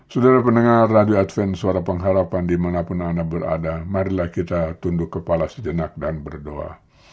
saudara pendengar radio adven suara pengharapan dimanapun anda berada marilah kita tunduk kepala sejenak dan berdoa